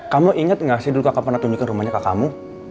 kamu inget gak sih dulu kakak pernah tunjukin rumahnya kak kamu